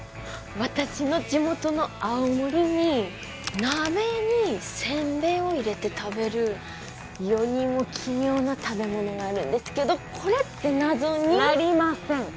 私の地元の青森に鍋にせんべいを入れて食べる世にも奇妙な食べ物があるんですけどこれって謎になりません